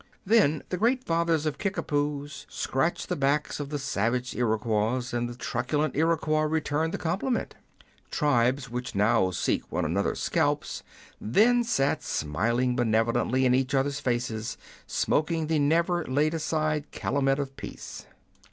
Then the great fathers of Kickapoos scratched the backs of the savage Iroquois, and the truculent Iroquois returned the compliment. Tribes which now seek one another's scalps then sat smiling benevolently in each other's faces, smoking the never laid aside calumet of peace.